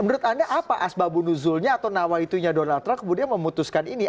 menurut anda apa asbabunuzulnya atau nawaitunya donald trump kemudian memutuskan ini